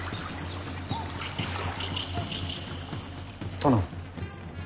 殿。